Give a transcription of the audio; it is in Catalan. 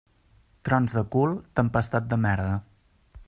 Trons del cul, tempestat de merda.